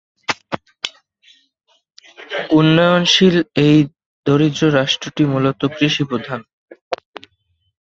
উন্নয়নশীল এই দরিদ্র রাষ্ট্রটি মূলত কৃষিপ্রধান।